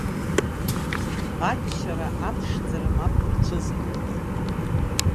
Аччара, аԥшӡара мап рцәызкуада.